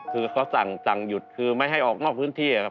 คือเขาสั่งหยุดคือไม่ให้ออกนอกพื้นที่ครับ